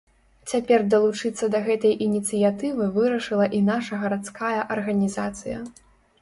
Цяпер далучыцца да гэтай ініцыятывы вырашыла і наша гарадская арганізацыя.